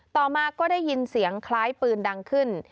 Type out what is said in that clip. ต่อมาก็ได้ยินเสียงคล้ายปืนดังขึ้น